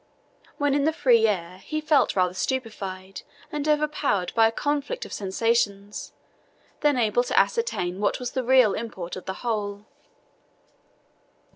When in the free air, he felt rather stupefied and overpowered by a conflict of sensations, than able to ascertain what was the real import of the whole.